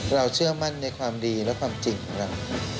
เชื่อมั่นในความดีและความจริงของเรา